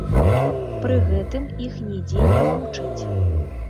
Пры гэтым іх нідзе не вучаць!